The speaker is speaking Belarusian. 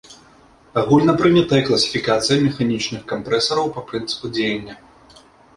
Агульнапрынятая класіфікацыя механічных кампрэсараў па прынцыпу дзеяння.